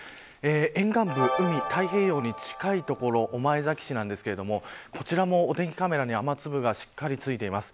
沿岸部、海、太平洋に近い所御前崎市ですが、こちらのお天気カメラに雨粒がしっかり付いています。